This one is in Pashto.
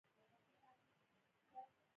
دوی به تر هغه وخته پورې شعرونه یادوي.